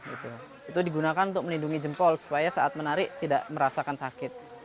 itu digunakan untuk melindungi jempol supaya saat menarik tidak merasakan sakit